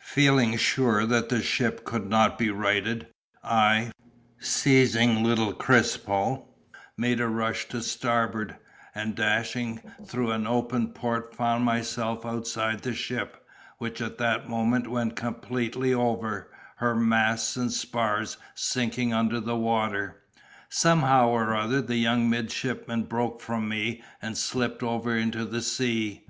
Feeling sure that the ship could not be righted, I, seizing little Crispo, made a rush to starboard, and dashing through an open port found myself outside the ship, which at that moment went completely over, her masts and spars sinking under the water. Somehow or other the young midshipman broke from me and slipped over into the sea.